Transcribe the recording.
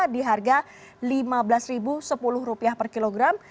di harga lima belas sepuluh rupiah per kilogram